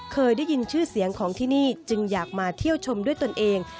เคยได้ยินชื่อเสียงของที่นี่จึงอยากมาเที่ยวชมด้วยตนเอง